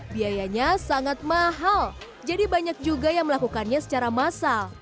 biayanya sangat mahal jadi banyak juga yang melakukannya secara massal